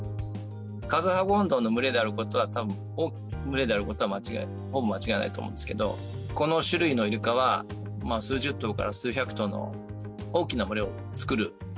カズハゴンドウの群れであることはたぶん、群れであることは間違いないと思うんですけど、この種類のイルカは、数十頭から数百頭の大きな群れを作る。